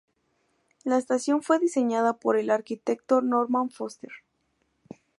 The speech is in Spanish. La estación fue diseñada por el arquitecto Norman Foster.